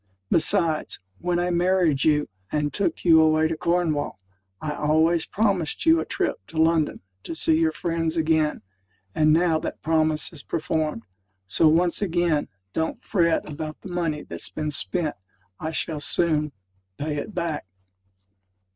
Besides, when I married you, and took you away to Cornwall, I always promised you a trip to London to see your friends again; and now that promise is performed. So, once again, don't fret about the money that's been spent: I shall soon pay it back.